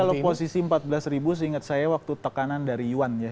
kalau posisi empat belas ribu seingat saya waktu tekanan dari yuan ya